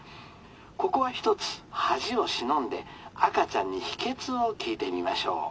ここは一つ恥をしのんで赤ちゃんに秘けつを聞いてみましょう。